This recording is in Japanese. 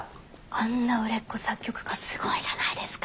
あんな売れっ子作曲家すごいじゃないですか！